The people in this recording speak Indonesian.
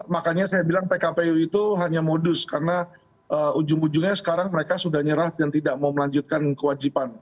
makanya saya bilang pkpu itu hanya modus karena ujung ujungnya sekarang mereka sudah nyerah dan tidak mau melanjutkan kewajiban